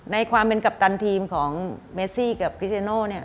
ในความเป็นกัปตันทีมของเมซี่กับคริสเจโน่เนี่ย